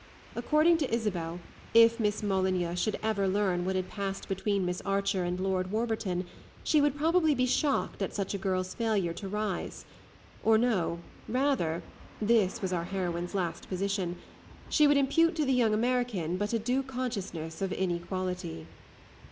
According to Isabel, if Miss Molyneux should ever learn what had passed between Miss Archer and Lord Warburton she would probably be shocked at such a girl's failure to rise; or no, rather (this was our heroine's last position) she would impute to the young American but a due consciousness of inequality.